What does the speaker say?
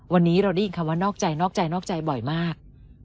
วันนี้เราได้ยินคำว่านอกใจนอกใจนอกใจบ่อยมาก